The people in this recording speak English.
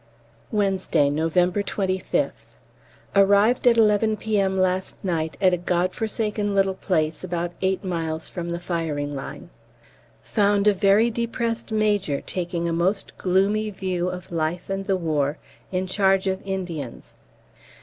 Wednesday, November 25th. Arrived at 11 P.M. last night at a God forsaken little place about eight miles from the firing line. Found a very depressed major taking a most gloomy view of life and the war, in charge of Indians.